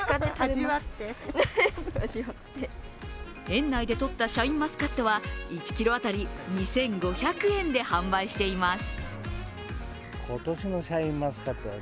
園内で取ったシャインマスカットは１ｋｇ当たり２５００円で販売しています